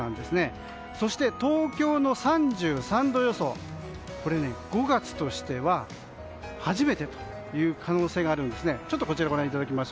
そして、東京の３３度予想これ、５月としては初めてという可能性があるんです。